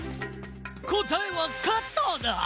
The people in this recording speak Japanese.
こたえはカッターだ！